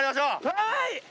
はい！